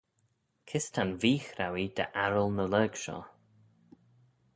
Kys ta'n veechrauee dy arral ny lurg shoh?